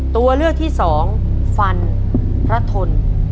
ตัวเลือก๒ฟันพระทน